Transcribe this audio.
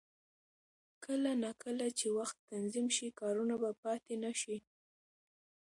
کله نا کله چې وخت تنظیم شي، کارونه به پاتې نه شي.